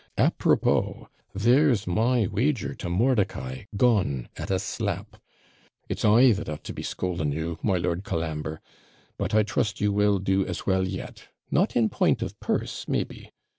APROPOS there's my wager to Mordicai gone at a slap. It's I that ought to be scolding you, my Lord Colambre; but I trust you will do as well yet, not in point of purse, maybe.